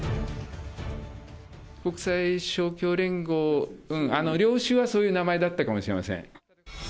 国際勝共連合、領収はそういう名前だったかもしれません。